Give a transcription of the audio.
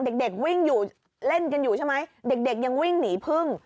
เด็กวิ่งอยู่เล่นกันอยู่ใช่ไหมเด็กยังวิ่งหนีพึ่ง